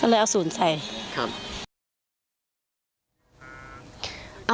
ก็เลยเอา๐ใส่ครับ